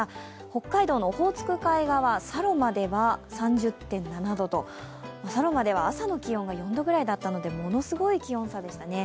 北海道のオホーツク海側、佐呂間では３０．７度佐呂間では朝の気温が４度くらいだったのでものすごい気温差でしたね。